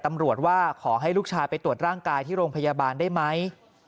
ตำรวจว่าขอให้ลูกชายไปตรวจร่างกายที่โรงพยาบาลได้ไหม